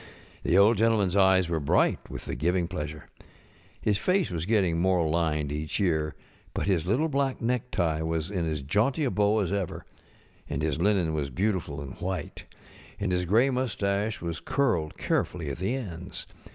The Old GentlemanŌĆÖs eyes were bright with the giving pleasure. His face was getting more lined each year, but his little black necktie was in as jaunty a bow as ever, and his linen was beautiful and white, and his gray mustache was curled carefully at the ends.